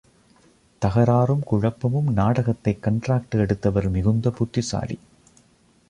தகராறும் குழப்பமும் நாடகத்தைக் கண்ட்ராக்டு எடுத்தவர் மிகுந்த புத்திசாலி.